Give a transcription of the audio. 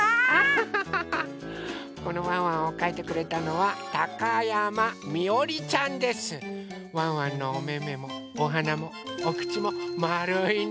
このワンワンをかいてくれたのはワンワンのおめめもおはなもおくちもまるいね。